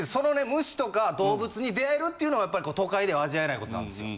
虫とか動物に出会えるっていうのは都会では味わえないことなんですよ。